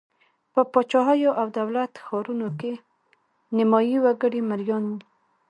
په پاچاهیو او دولت ښارونو کې نیمايي وګړي مریان وو.